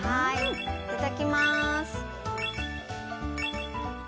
いただきます。